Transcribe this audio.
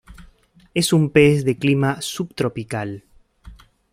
Es un pez de clima subtropical.